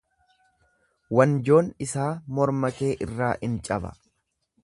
Wanjoon isaa morma kee irraa in caba.